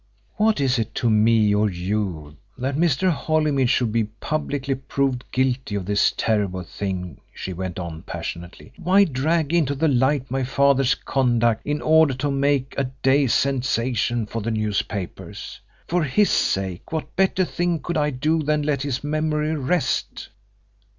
"What is it to me or you that Mr. Holymead should be publicly proved guilty of this terrible thing?" she went on, passionately. "Why drag into the light my father's conduct in order to make a day's sensation for the newspapers? For his sake, what better thing could I do than let his memory rest?"